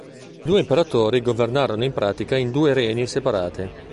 I due imperatori governarono in pratica in due regni separati.